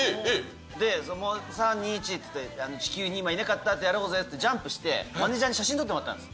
で、３、２、１っていって、地球に今、いなかったってやろうぜってジャンプして、マネージャーに写真撮ってもらったんですよ。